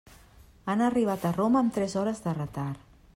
Han arribat a Roma amb tres hores de retard.